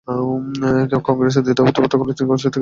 কংগ্রেস দ্বিধাবিভক্ত হলে তিনি কংগ্রেসে থেকে যান।